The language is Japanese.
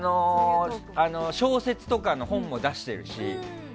小説とかの本も出してるし。